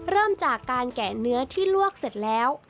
เริ่มจากการแกะเนื้อที่ลวกเสร็จแล้ว